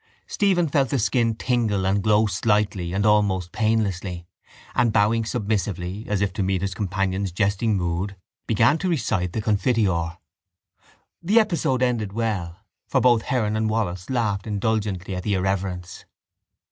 Stephen felt the skin tingle and glow slightly and almost painlessly; and, bowing submissively, as if to meet his companion's jesting mood, began to recite the Confiteor. The episode ended well, for both Heron and Wallis laughed indulgently at the irreverence.